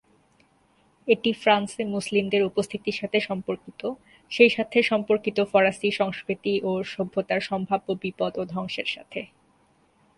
এটি ফ্রান্সে মুসলিমদের উপস্থিতির সাথে সম্পর্কিত, সেই সাথে সম্পর্কিত ফরাসী সংস্কৃতি ও সভ্যতার সম্ভাব্য বিপদ ও ধ্বংসের সাথে।